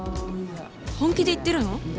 本気で言ってるの？